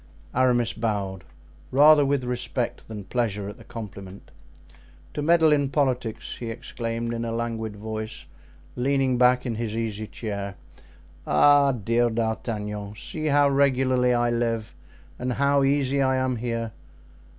Aramis bowed, rather with respect than pleasure at the compliment. "To meddle in politics," he exclaimed, in a languid voice, leaning back in his easy chair. "Ah! dear D'Artagnan! see how regularly I live and how easy I am here.